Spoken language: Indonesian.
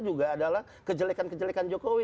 juga adalah kejelekan kejelekan jokowi